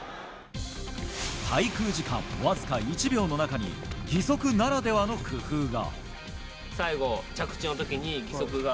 滞空時間わずか１秒の中に義足ならではの工夫が。